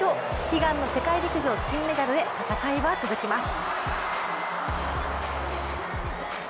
悲願の世界陸上金メダルへ戦いは続きます。